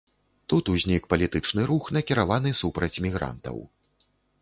Тут узнік палітычны рух, накіраваны супраць мігрантаў.